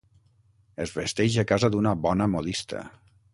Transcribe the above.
Es vesteix a casa d'una bona modista.